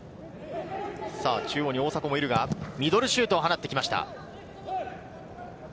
中央に大迫もいるがミドルシュートを放ってきました。